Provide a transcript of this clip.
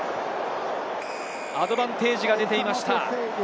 アドバンテージが出ていました。